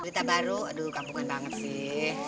berita baru aduh kampungan banget sih